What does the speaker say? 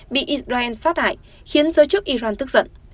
bị israel sát hại khiến giới chức iran tức giận